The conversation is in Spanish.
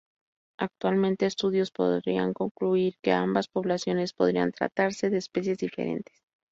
Actuales estudios podrían concluir que ambas poblaciones podrían tratarse de especies diferentes.